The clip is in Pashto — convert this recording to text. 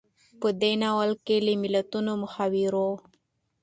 په دې ناول کې له متلونو، محاورو،